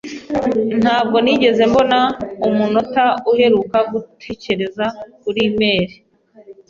Ntabwo nigeze mbona umunota uheruka gutekereza kuri e-imeri.